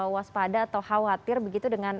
waspada atau khawatir begitu dengan